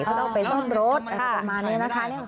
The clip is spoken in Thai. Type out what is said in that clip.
เขาเอาไปร่วมรถประมาณนี้นะคะ